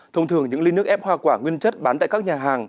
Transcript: thông thường những ly nước ép hoa quả nguyên chất bán tại các nhà hàng